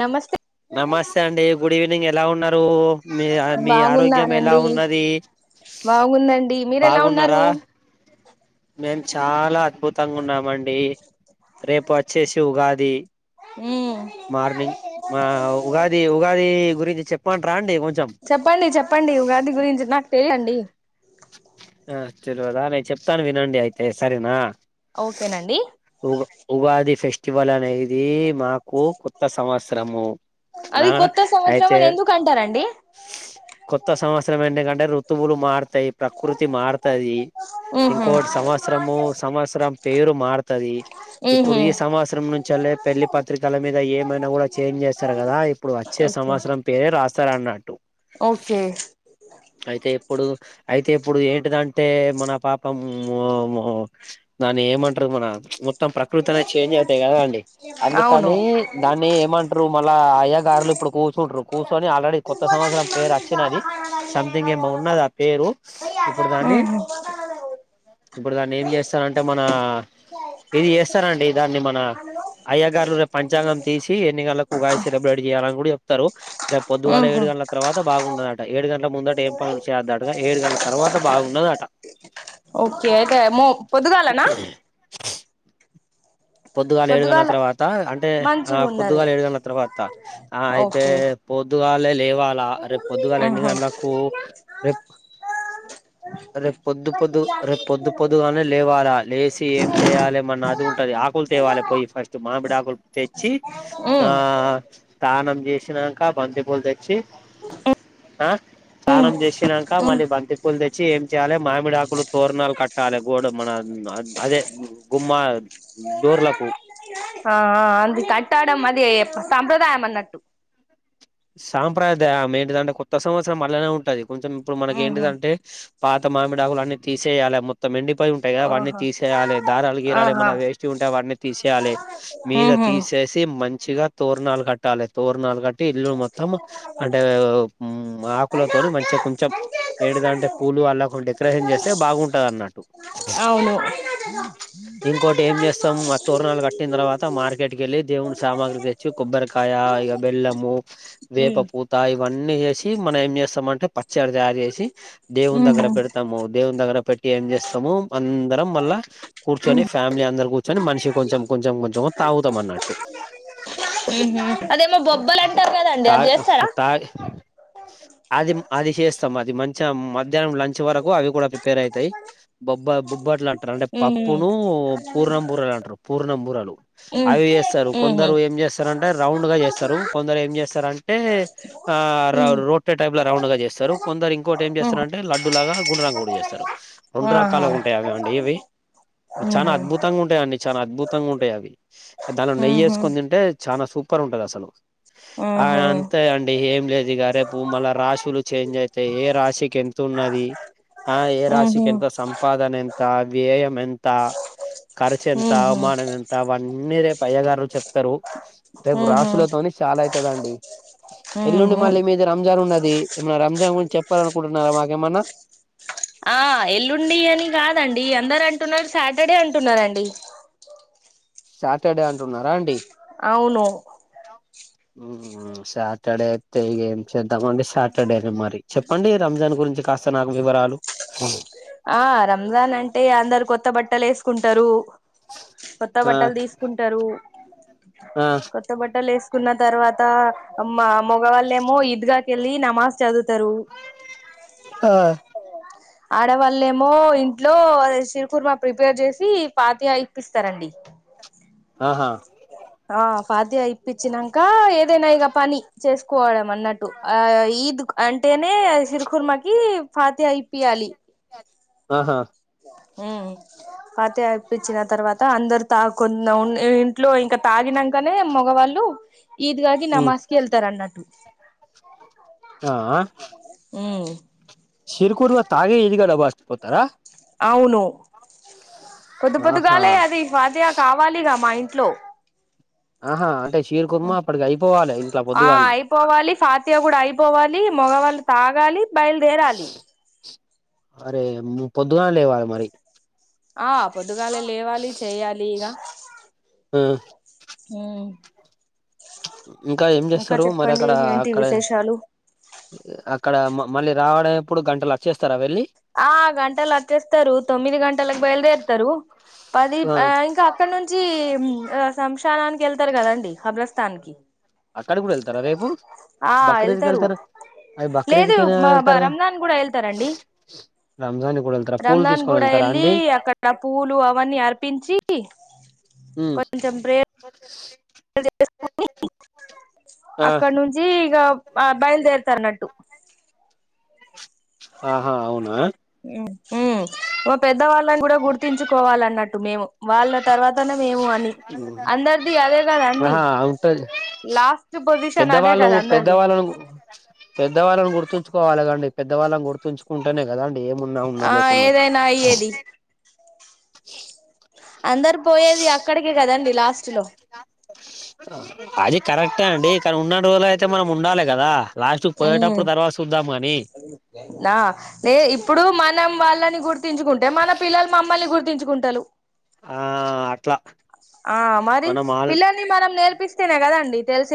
నమస్తే నమస్తే అండి గుడ్ ఈవెనింగ్ ఎలా ఉన్నారు, మీ మీ ఆరోగ్యం ఎలా బాగున్నానండి ఉన్నది బాగుందండి మీరెలా ఉన్నారు బాగున్నారా, చాలా అద్భుతంగా ఉన్నామండి, రేపు వచ్చేసి ఉగాది. మ్మ్ మార్నింగ్ అ ఉగాది, ఉగాది గురించి చెప్పంటరా అండి కొం చెప్పండి చెప్పండి ఉగాది గురించి నాకు తెలిదండి ఆ తెల్వదా నేను చెప్తాను వినండి అయితే సరేనా ఓకేనండి ఉగ్ ఉగాది ఫెస్ట్ ఇవలనే ఇది మాకు కొత్త సంవత్సరము అది ఆ కొత్త సంవత్సరం అయితే అని ఎందుకు అంటారండి? కొత్త సంవత్సరం ఎందుకంటే ఋతువులు మారుతయ్ కృతి మారుతది ఊహూ ఇంకోటి సంవత్సరము సంవత్సరం పేరు మారుతది. ఊహూ ఇప్పుడు ఈ సంవత్సరం నుంచిలే పెళ్లి పత్రికల మీద ఏమైనా కూడా చేంజ్ చేస్తరు కదా ఇప్పుడు వచ్చే ఓకే సంవత్సరం పేరే రాస్తారున్నట్టు. ఓకే అయితే ఇప్పుడు అయితే ఇప్పుడు ఏంటిదంటే మన పాపం ఉ ఉ దాన్ని ఏమంటారు మన చుప్ మొత్తం ప్రకృతి అనే చేంజ్ అవుతాయి కదాండి అవును అందుకని దాన్ని ఏమంటారు మళ్ళా అయ్యా గారులు ఇప్పుడు కూర్చుంటరు కూర్చొని ఆల్రెడీ కొత్త సంవత్సరం పేరు అచ్చినది. సంథింగ్ ఏమో ఉన్నది ఆ పేరు ఇప్పుడు దాన్ని ఊహూ ఇప్పుడు దాన్ని ఏం చేస్తరంటే మన ఇది చేస్ చెప్తారండి దాన్ని మన అయ్య గారులు రేపు పంచాంగం తీసి ఎన్ని గంటలకు ఉగాది సెలబ్రేట్ చేయాలని కూడా చెప్తారు రేప్ పొద్దుగాల ఊహూ ఏడు గంటల తర్వాత బాగున్నాదట ఏడు గంట ముందట ఏం పనులు చెయ్యద్దట ఏడు గంటల తర్వాత బాగున్నదట ఓకే అయితే మో పొద్దుగాలనా పొద్దుగాల ఏడు గంటల తర్వాత అంటే ఆ మంచిగున్నది పొద్దుగాల ఏడు గంటల తర్వాత ఆ అయితే ఓకే పొద్దుగాలెల్ లేేవాలా రేపు పొద్దుగాల ఎనిమిది ఆహా గంటలకు కు రేప్ రేప్ పొద్దు పొద్దు రేప్ పొద్దు పొద్దుగాల లేవాల లేసి ఏం చేయాలె మన అదింటుంది. ఆకులు తేవాలె పోయి ఫస్ట్ మామిడి ఆకుల్ తెచ్చి ఆ ఉమ్ అన్నం చేసినాక బంతి పూలు తెచ్చి ఆ స్నానం చేసినంకా ఉమ్ మళ్ళీ బంతి పూల్ లేచి ఏం చేయాలె మామిడా ఆకులు తోరణాలు కట్టాలి గోడ మన అదే గుమ్మ డోర్లకు ఆ ఆ అది కట్టడం అది సంప్రదాయం అన్నట్టు సంప్రదాయం ఏంటిదంటే కొత్త సంవత్సరం అళ్ళనే ఉంటుది. కొంచెం ఇప్పుడు మనకి ఓహో ఏంటింటే పాత మామిడాకులు అన్ని తీస్ సేయాల మొత్తం ఎండి ఉంటాయి కదా అవన్ని ఆహా తీసేయాలి దారాలు గీరాలు ఆహా ఏమన్నా వేస్ట్ ఉంటే వాటిని తీసేయాలే మీద ఉహు తీసేసి మంచిగా తోరణాలు కట్టాలే తోరణాలు కట్టి ఇల్లు మొత్తం అంటే ఉమ్మ్ ఆకులతోని మంచిగా కొంచెం ఎంటిదంటే పూలు అల్లకుంటే డెకరేషన్ చేస్తే బాగుంటది అన్నట్టు. అవును ఇంకోటి ఏం చేస్తాం ఆ తోరణాలు కట్టిన తర్వాత మార్కెట్కి కెళ్ళి దేవుడి సామాగ్రి తెచ్చి కొబ్బరికాయ ఇక బెల్లము ఉమ్ వేపపూత ఇవన్నీ అన్నీ చేేసి మనం ఏం చేస్తామంటే ప చ్చడ్ తయారు చేసి దేవుని ఉహు దగ్గర పెడతాము దేవుని దగ్గర పెట్ ఏం చేస్తాము అందరం మళ్ళా కూర్చొని ఫ్యామిలీ అందరు కూర్చొని మనిషికీ కొంచెం కొంచెం కొంచెం తాగుతాం అన్నట్టు మ్ హు అదే బోబ్బలాం తా తాగ్ అది మ్ అది చేస్తాం అది మంచమ్ మ మధ్యాహ్నం లంచ్ వరకు అవి కూడా ప్రిపేర్ అయితాయి బొబ్బ బొబ్బట్లు అంటారు అంటే ఉమ్ పప్పును పూర్ణం బురలు అంటారు పూర్ణం బురలు అవి చేస్తారు ఆహా ఉహు కొందరు ఏం చేస్తారంటే రౌండ్ గా చేస్తారు కొందరు ఏం చేస్ అంటే ఆ రవ్ రోట్టే టైప్ రౌండ్ గా చేస్తారు కొందరు ఇంకోటి ఏం చేస్తారంటే లడ్డు లాగా గుండ్రాం కూడా చేస్తారు రెండు రకాలుగా ఉంటాయా అండి ఇవి చాన అద్భుతంగా ఉంటాయండి చాలా అద్భుతంగా ఉంటాయ్ అది దాంట్లో ఉహు ఉహు నెయ్యేసుకొని తింటే చాన సూప్ పరుంటాదసలు ఆ అంతే అండి ఏం లేదు ఇగ రేపు మళ్ళ రాశులు చేంజ్ అయితాయి ఏ రాశికి ఎంత ఉన్నది ఆ ఏ ఉహు ఉహు రాశికి ఎంత సంపాదన ఎం ంత వ్యయం ఎంత ఖర్చు ఎంత అవమానం ఎంత వన్నీ రేప్ పయ్య గారు చెప్తారు రేపు ఉహు రాశులతోని శలయ్ కదండీ ఎల్లుండి ఉహు మళ్ళీ మీది రంజాన్ ఉన్నాద్ ది ఏమన్నా రంజాన్ గురించి చెప్పాల అనుకుంటున్నారా మాకేమన్నా ఆ ఎల్లుండి అని కాదండి అందరు అంటున్నారు సాటర్డే అంటున్నారండి సాటర్డే అన్ అవును హు సాటర్డే అయితే ఇగ ఏం చేద్దామండి సాటర్డే నే మరి చెప్పండి రంజాన్ గురించి కాస్ స నాకు వివరాలు ఆ రంజాన్ అంటే అందరు కొత్త బట్టలే ఏసుకుంటారు కొత్త ఆ బట్టలు తీసుకుంటారు ఆ కొత్త బట్టలేస్ కున్న తర్వాత మా మగవాళ్ళేమో ఈద్గాకేళ్ళి నమాజ్ చదువుతరు ఆ డ వళ్ళేమో ఇంట్లో చిరుకుర్మ ప్రిపేర్ చేసి పాతియ ఇప్పిస్తారండి ఆహా ఆ ఫాతయ ఇప్పిచ్చినంక క ఏదైనా ఇగ పని చేసుకోవడం అన్నట్టు ఆ ఈద్ అంటేనే సిరుకుర్మకి ఫాతయ ఇప్పియాలి ఆహా ఉమ్ పాతి ఇపిచిన తర్వాత అందరు తాకు కొన్ ఇంట్లో ఇంకా తాగినకనే మగవాళ్ళు. ఈద్గ ఉమ్, నమాజ్కి వెళ్తారు అన్నట్టు. ఆ ఆ ఉమ్ బస్ట్ పోతారా అవును పొద్దు ఆహా పొద్దుగాలే అది ఫవాదయా కావాలిగా మా ఇ ఇంట్లో ఆహా అంటే షిర్ కుర్మ అప్పటికి అయిపోవాలి ఇంట్లో ఆ పొద్దుగాల్లే. అయిపోవాలి ఫాతియ కూడా అయిపోవాలి మగవాళ్ళు తాగాలి. బయలుదేరాలి. అరే పొద్దుగానే లేవ్వాలి మరి ఆ పొద్దుగాలే లేవాలి చేయాలి ఇగ ఆ, ఉం ఇంకా ఏం చేస్తారు మరి అక్కడ ఏంటి అక్కడ, విశేషాలు ఇక్కడ మళ్ళీ రావడం ఎప్పుడు గంటల వచ్చేస్తారా వెళ్ళి, ఆ గంటల అచ్చేస్తారు తొమ్మిది గంటలకి బయల్దే స్తారు. పది ఆ ఇంకా అక్కడ నుంచి. శమశానానికి వెళ్తారు కదండి హబ్రస్స్తాన్ కి అక్కడికి కూడా వెళ్తారా రేపు ఆ బక్రీద్కి వెళ్తారు వెళ్తారూ అవి లేదు బక్రీదుకేనా మా వెళ్తారూ కదా. రంజాన్ కూడా వెళ్తారండి రంజాన్ కూడా వెళ్తారా పూలు రంజాన్ తీసుకొని గూడ వెళ్తారా వెళ్ళి అండి అక్కడ పూలు అవన్నీ అర్పించి. పీ ఉమ్, కొంచెం ప్రేయర్ చేసుకొని ఆ అక్కడ నుంచి ఇక ఆ బయలుదేర్తారున్నట్టు. ఆహా అవునా మ పెద్ద వాళ్ళ కూడా గుర్తించుకోవాలన్నట్టు మేము వాళ్ళ తర్వాతనే, మేము అని అందరిది అదే కదా అండి ఆహా ఉంటది. లాస్ట్ పొజిషన్ అదే పెద్దవాళ్ళు కదా అందరిది పెద్దవాళ్ళని పెద్దవాళ్ళని గుర్తుంచుకోవాలిదండి పెద్దవాళ్ళం గుర్తు చుకుంటానే కదా అండి ఏమున్నా ఉన్నా ఆ లేకున్నా. ఏదైనా అయ్యేది అందరు పోయేది అక్కడికే కదండి లాస్ట్ లో అది కరెక్టే అండి. కానీ ఉన్నన్ని రోజులు అయితే మనం ఉండాలి కదా లాస్ట్ ఉమ్ పోయేటప్పుడు తర్వాత చూద్దాం కాని నా లేదు ఇప్పుడు మన్ నమ్ వాళ్ళని గురు తుంచుకుంటే మన పిల్లలు మనల్ని గుర్ గుర్తించుకుంటాలు ఆ అట్లా ఆ మరి మనం ఆల్ పిల్లలని మనం నేర్ నేర్పిస్తేనే కదండి తెలుస్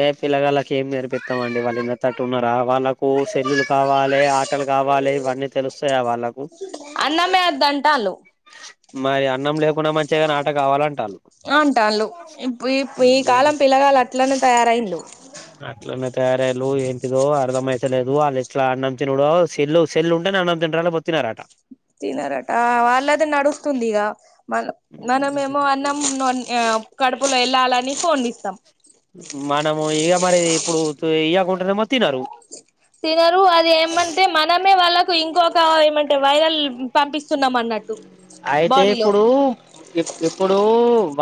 ఏ పిల్లగాలకి ఏం నేర్పిత్తాం అండి వాళ్ ఇనర్ అట్టు ఉన్నారా వాళ్ళకు సెల్లులు కావాలె ఆటలు కావాలె ఇవన్నీ తెలుత్తాయ వాళ్ అన్నమే అద్ద అంటాలు మరి అన్నం లే అంటాళ్ళు ఇప్పు ఇప్ ఈ కాలం పిల్ల వాళ్ళ అట్లనే తయారయిన్లు అట్లనే తయారయ్యలు ఏంటిదో అర్ధంయ్యతలేదు. వాళ్ళ ఎట్లా అన్నం తినడో చెల్లు చెల్లు ఉంటేనే అన్నం తింటాడు పతన్నారట తినరట వాళ్ళది నడుస్తుంది ఇగా మనం నన ఏమో అన్నం నొ కడుపులో ఎల్ లాలని ఫోన్ ఇస్తాం మనము ఇగ మరి ఇప్పుడు ఇయ్యకుంటేనేమో తినరు తినరు అది ఏమంటే మనమే వాళ్ళకు ఇంకొక ఏమంటే వైరల్ పంపిస్తున్నాం అన్నట్టు అయితే బాడీలో ఇప్పుడు ఇప్ ఇప్పుడు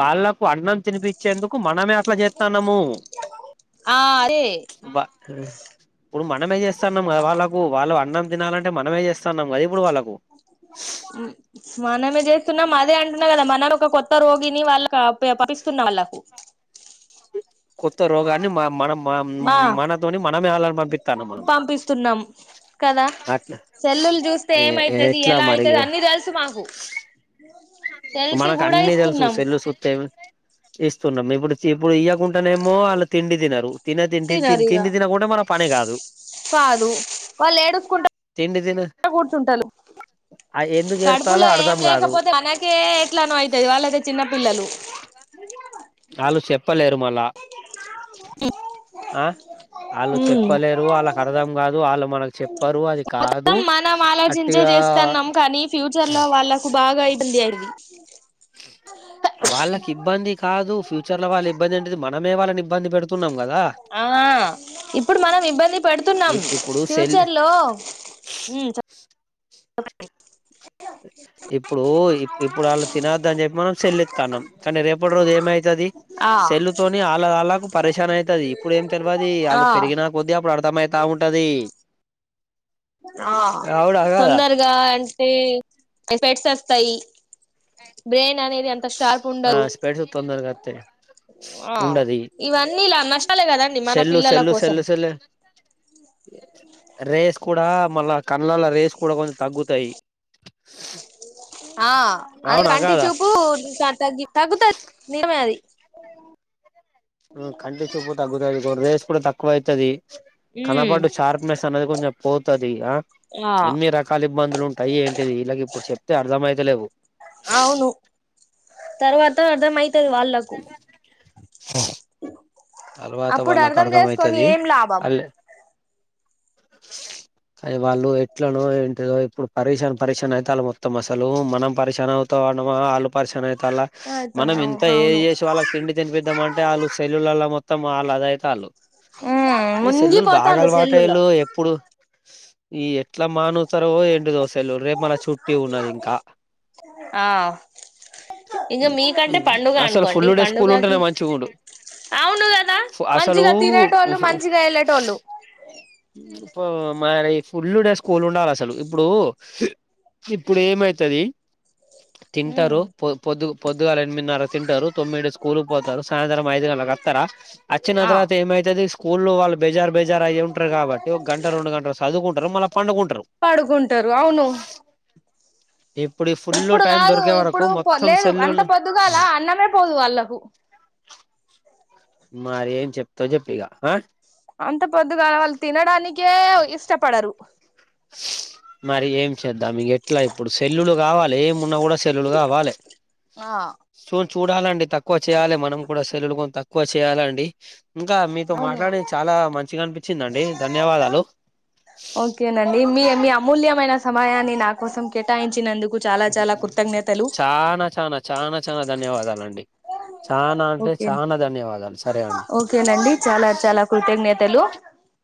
వాళ్ళకు అన్నం తినిపించేందుకు మనమే ఇట్ల చేత్తాన్నాము ఆ అదే బ ఇప్పుడు మనమే చేస్తన్నాంగా వాళ్ళకు వాళ్ళు అన్నం తినాలంటే మనమే చేస్తన్నాం కదా ఇప్పుడు వాళ్ళకు అ మనమే చేస్తున్నాం అదే అంటున్నా కదా మన ఒక కొత్త రోగిని వాళ్ళక ప పంపిస్తున్నా వాళ్ళకు కొత్త రోగాన్ని మ మన మా మనతోని మన పంపిస్తున్నాం కదా అట్లా సెల్లులు చూస్తే ఏమయితది ఎట్లా ఎలా మరి అయితది అన్నీ తెలుసు మాకు తెలిసి మనకు కూడా అన్నీ తెలుసు ఇస్తున్నాం సెల్లు చూస్తే ఇస్తున్నాం ఇప్పుడు ఇప్పుడు ఇయ్య కుండనేమో వాళ్ళు తిండి తినరు. తిన తిండి తి తినరు ఇగ తిండి తినకుండా మన పని కాదు కాదు తిండి తిన ఇ కూర్చుంటాలు ఆ ఎందుకు ఏడుతాలో కడుపులో ఏం అర్ధం కాదు లేకపోతే మానక్ కే ఎట్లానొ అయితది వాళ్ళ చిన్న పిల్ లలు వాళ్ళు చెప్పలేరు మళ్ళా [inaudible] ఆ ఆళ్ళు హ్మ్ చెప్పలేరు వాళ్ళకు అర్థం కాదు ఆళ్ళు మనకు చెప్పరు అది కాదు మొత్తం మనం ఆలోచించి అట్టిగా చేస్తున్నాం కానీ ఫ్యూచర్ లో వాళ్ళకు బాగాయింది అయింది వాళ్ళకి ఇబ్బంది కాదు ఫ్యూచర్ లో వాళ్ళ ఇబ్బంది అంటది మనమే వాళ్ళనీబ్బ బ్బంది పెడుతున్నాము ఆ ఇప్పుడు మనం ఇబ్బంది పెడుతున్నాం ఇప్పుడు సెల్ ఫ్యూచర్ లో హ్మ చెప్ [inaudible] ఇప్పుడు ఇప్పుడు వాళ్ళు తినొద్ద అని చెప్పి మనం సెల్లేతనం కానీ రేపటి రోజు ఏమై అయితది ఆ సెల్లుతోని వాళ్ళ వాళ్ళకు పరిశాన అవుతది ఇప్పుడు ఏం తెలియదు ఆ వాళ్ళు పెరిగినా కొద్దీ అప్పుడు అర్థమైతా ఉంటది ఆ అవునా కాదా తొందరగా అ టే స్పెట్స్ వస్తాయి బ్రెయిన్ అనేది అంత షార్ప్ ఆ ఉండవు స్పెడ్స్ తొందరగా అత్తయి ఆ ఉండది ఇవన్నీ ఇలా నష్టాలే కదండి మన సెల్లు పిల్లల సెల్లు కోసం సెల్లు సెల్లు రేస్ కూడా మళ్ళ కళ్లల్ల రేస్ కూడా కొంచెం తగ్గుతాయి ఆ అద అవునా కంటి కాదా చూపు తగ్గి తాగుతాది నిజమే అది హ్మ కంటి చూపు తగ్గుతాది రేస్ కూడా తక్కువ అయితది ఉమ్ కనపడు షార్ప్నెస్ అనేది కొంచెం పోతాది ఆ ఆ అన్ని రకాల ఇబ్బందులు ఉంటాయి ఏంటిది ఇలాగ ఇప్పుడు చెప్తే అర్థమై తేలేవు అవును తర్వాత అర్ధమై త్ వాళ్ళకు ఆ అ తర్వాత వాళ్ళకు అర్థం అయితది ఏం లాభం అ అది వాళ్ళు ఎట్లనో ఏంటిదో ఇప్పుడు పరిషన్ పరీక్షణ అయితే మొత్తం అసలు మనం పరక్షాన అవుతా ఉన్నమా వాళ్ళు పరిక్షన అయి క్లా మనం అయితున్నావు ఇంత ఏ అవును చేసి వాళ్ళకి తిండి తినిపిద్దామంటే వాళ్ళ సళ్ళలో మొత్తం మొత్తం ఆల్ అద అయితలు ఉ ముగ్గి పోతంది సెల్ లో అలవాటయ్యలు ఎప్పుడు ఈ ఎట్లా మాను తారో ఏంటిదో సెల్ లు రేపు మన చుట్టి ఉన్నది ఇంకా ఆ ఇంక మీకంటే పండుగ అసలు ఫుల్ అనుకోండి డే స్కూల్ ఉంటేనే పండుగకి మంచి ఉండు అవును కదా అసలు మంచిగా తినేటోళ్ళు మంచిగా వెళ్ళేటోళ్ళు ఇ మరి ఫుల్ డే స్కూల్ ఉండాలి అసలు. ఇప్పుడు ఇప్పుడు ఏమైతాది. తింటారు పొ పొద్దు. పొద్దుగాల ఎనిమిదిన్నర తింటారు. తొమ్మిది స్కూ పోతారు. సాయంత్రం ఐదు గంటలలకుస్తారా? వచ్చిన ఆ తర్వాత ఏమైతాది. స్కూ స్కూల్లో వాళ్ళు. బేజార్ బేజార్ అయ్యాం. కాబట్టి ఒక గంట రెండు గంటలు చదువుకుంటారు మళ్ళా పండుకుంటారు. పడుకుంటారు అవును ఇప్పుడు ఈ ఫుల్ ఇప్పుడు టైం కాదు దొరికే వరకు ఇప్పుడు మొత్తం లేదు అంత సెల్లులు పొద్దుగాల అన్నమే పోదు వాళ్ళకు. మరేం చెప్పుతావో చెప్పు ఇక ఆ! అంత పొద్దుగాల వాళ్ళు తినడానికి. కే ఇష్టపడరు. మరి ఏం చేద్దాం ఇక, ఎట్లా ఇప్పుడు? సెల్లులు కావాలి ఏమున్నా కూడా చెల్లులు గావాల ఆ సూన్ చూడాలండి. తక్కువ చేయాలి మనం కూడా సెల్లు లు కొంత. ఎక్కువ చేయ్యాలండి? ఇంకా మీతో అవును మాట్లాడే చాలా మంచిగా అనిపించిందండి ధన్యవాదాలు. ఎమీ ఎమీ? మీ అమూల్యమైన సమయాన్ని. నే నా కోసం కేటాయించినందుకు. చాలా చాలా కృతజ్ఞతలు చానా చానా చానా చానా ధన్యవాదాలండి. చానా అంటే ఓకే చానా ధన్యవాదాలు సరే అండి. నతలు